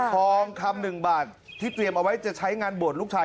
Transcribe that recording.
คลองคำหนึ่งบาทที่เตรียมเอาไว้จะใช้งานโบสถ์ลูกชาย